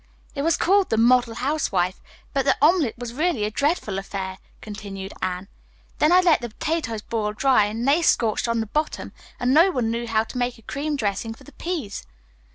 "It was called the 'Model Housewife,' but the omelet was really a dreadful affair," continued Anne. "Then I let the potatoes boil dry and they scorched on the bottom, and no one knew how to make a cream dressing for the peas.